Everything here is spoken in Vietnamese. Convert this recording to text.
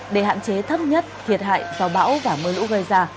để hạn chế thấp nhất thiệt hại do bão và mưa lũ gây ra